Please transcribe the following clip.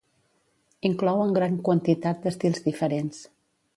Inclouen gran quantitat d'estils diferents.